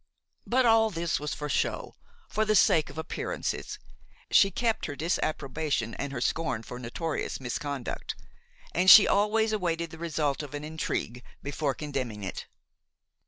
But all this was for show, for the sake of appearances; she kept her disapprobation and her scorn for notorious misconduct, and she always awaited the result of an intrigue before condemning it.